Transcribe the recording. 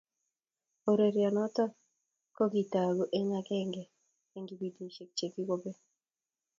Urerionoto ko kitogu eng akenge eng kipintishe che kichobekei.